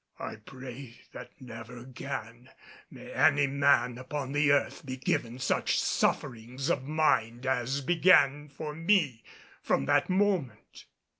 I pray that never again may any man upon the earth be given such sufferings of mind as began for me from that moment.